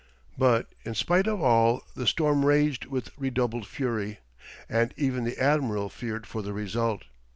But in spite of all, the storm raged with redoubled fury, and even the admiral feared for the result.